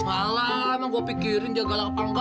alah emang gue pikirin dia galak apa engga